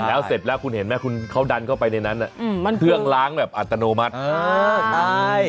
แล้วเสร็จแล้วคุณเห็นไหมคุณเขาดันเข้าไปในนั้นเครื่องล้างแบบอัตโนมัติ